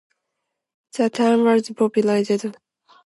The term was popularized by Edward Tufte.